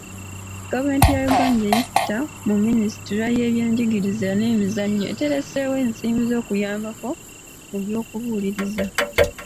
Gavumenti ya Uganda ng'eyita mu Minisitule y'ebyenjigiriza n'emizannyo etereseewo ensimbi oz'okuyambako mu by'okubuuliriza.